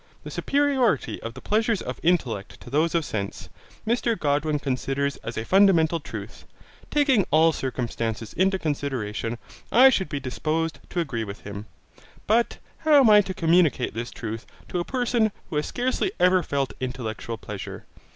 The superiority of the pleasures of intellect to those of sense, Mr Godwin considers as a fundamental truth. Taking all circumstances into consideration, I should be disposed to agree with him; but how am I to communicate this truth to a person who has scarcely ever felt intellectual pleasure?